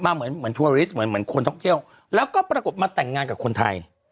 เหมือนเหมือนทัวริสเหมือนเหมือนคนท่องเที่ยวแล้วก็ปรากฏมาแต่งงานกับคนไทย